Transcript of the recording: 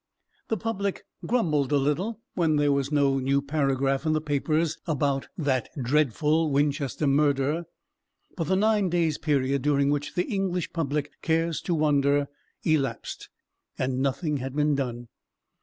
The public grumbled a little when there was no new paragraph in the papers about "that dreadful Winchester murder;" but the nine days' period during which the English public cares to wonder elapsed, and nothing had been done.